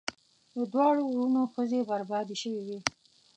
د دواړو وروڼو ښځې بربادي شوې وې.